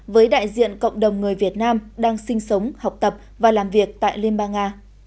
với đại diện cộng đồng người việt nam đang sinh sống học tập và làm việc tại liên bang nga